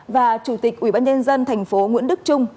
và chủ tịch ubnd tp nguyễn đức trung